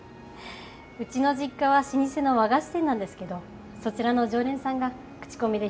うちの実家は老舗の和菓子店なんですけどそちらの常連さんがクチコミで広げてくれて。